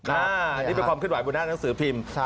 อ่านี่เป็นความขึ้นหวายบนหน้านังสึภิมศ์